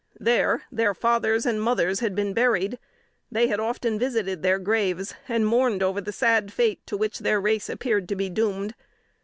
There their fathers and mothers had been buried. They had often visited their graves, and mourned over the sad fate to which their race appeared to be doomed.